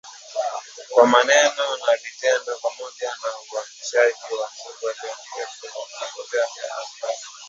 kwa maneno na vitendo, pamoja na uhamasishaji wa nguvu, aliandika kwenye Twita siku ya Alhamisi